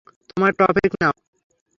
তোমার টপিক নাও।